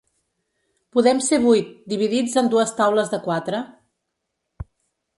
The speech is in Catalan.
Podem ser vuit, dividits en dues taules de quatre.